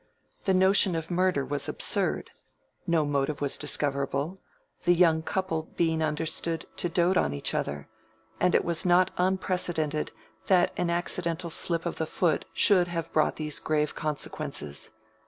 The notion of murder was absurd: no motive was discoverable, the young couple being understood to dote on each other; and it was not unprecedented that an accidental slip of the foot should have brought these grave consequences.